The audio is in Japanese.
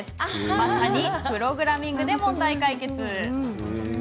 まさにプログラミングで問題解決。